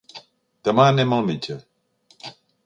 Demà anem al metge.